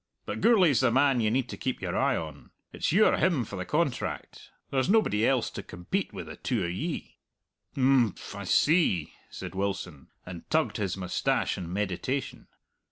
But Gourlay's the man you need to keep your eye on. It's you or him for the contract there's nobody else to compete wi' the two o' ye." "Imphm, I see," said Wilson, and tugged his moustache in meditation.